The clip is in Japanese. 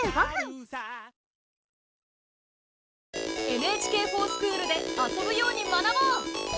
「ＮＨＫｆｏｒＳｃｈｏｏｌ」で遊ぶように学ぼう！